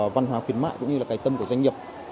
văn hóa khuyến mại cũng như là cái tâm của doanh nghiệp